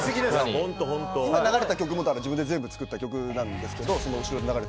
今流れた曲も自分で全部作った曲なんですけど。